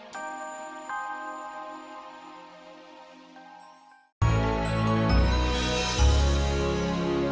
sampai jumpa mama